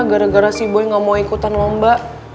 gara gara si boy gak mau ikutan lomba